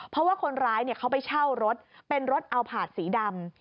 เพราะว่าคนร้ายเขาไปเช่ารถเป็นรถเอาผาดสีดำ